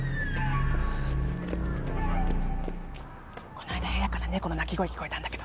この間部屋から猫の鳴き声聞こえたんだけど。